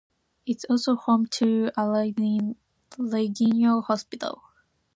It is also home to Alleghany Regional Hospital.